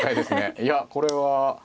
いやこれは。